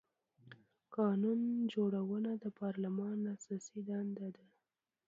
قانون جوړونه د پارلمان اساسي دنده ده